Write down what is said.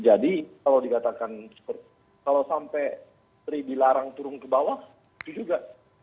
jadi kalau dikatakan kalau sampai pribadi larang turun ke bawah itu juga